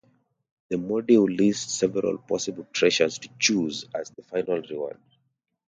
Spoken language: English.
The module lists several possible treasures to choose as the final reward.